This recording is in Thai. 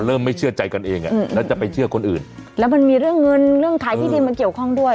ไม่เชื่อใจกันเองอ่ะแล้วจะไปเชื่อคนอื่นแล้วมันมีเรื่องเงินเรื่องขายที่ดินมาเกี่ยวข้องด้วย